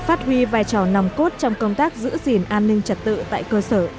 phát huy vai trò nằm cốt trong công tác giữ gìn an ninh trật tự tại cơ sở